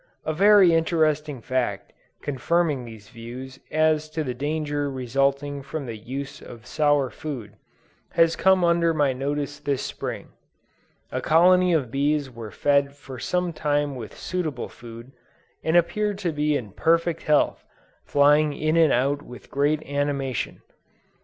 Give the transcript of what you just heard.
A very interesting fact confirming these views as to the danger resulting from the use of sour food, has come under my notice this Spring. A colony of bees were fed for some time with suitable food, and appeared to be in perfect health, flying in and out with great animation.